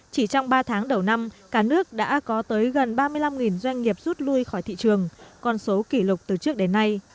chỉ trong ba tháng đầu năm cả nước đã có tới gần ba mươi năm doanh nghiệp rút lui khỏi thị trường con số kỷ lục từ trước đến nay